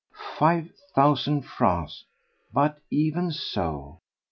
Five thousand francs! But even so